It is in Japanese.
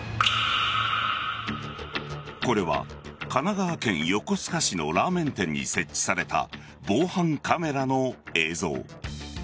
これは神奈川県横須賀市のラーメン店に設置された防犯カメラの映像。